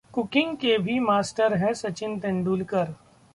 cooking के भी 'master' हैं सचिन तेंदुलकर